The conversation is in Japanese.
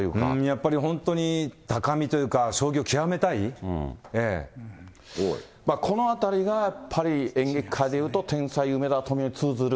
やっぱり本当に高みというか、このあたりがやっぱり演劇界でいうと、天才梅沢富美男に通ずる。